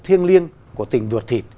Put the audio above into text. thiêng liêng của tình ruột thịt